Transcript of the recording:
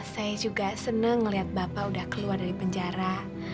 saya juga senang melihat bapak udah keluar dari penjara